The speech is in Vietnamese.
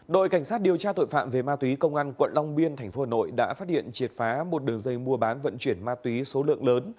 đội cảnh sát điều tra tội phạm về ma túy công an quận long biên tp hà nội đã phát hiện triệt phá một đường dây mua bán vận chuyển ma túy số lượng lớn